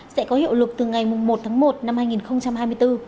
sẽ có hiệu lực từ ngày một tháng một năm hai nghìn hai mươi bốn